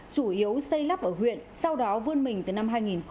chủ yếu xây lắp ở huyện sau đó vươn mình từ năm hai nghìn một mươi